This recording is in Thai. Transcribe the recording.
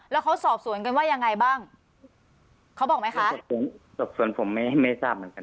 แล้วเขาสอบสวนกันว่ายังไงบ้างเขาบอกไหมคะสอบสวนสอบสวนผมไม่ไม่ทราบเหมือนกัน